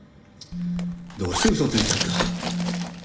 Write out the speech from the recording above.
どうして嘘ついちゃった？